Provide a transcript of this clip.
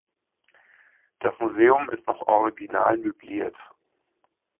Das Museum ist noch original möbliert.